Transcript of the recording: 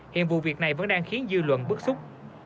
hiện vụ việc này vẫn đang khiến dư luận bức xúc